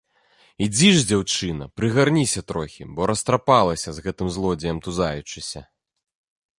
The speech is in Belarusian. Ідзі ж, дзяўчына, прыгарніся трохі, бо растрапалася, з гэтым злодзеем тузаючыся.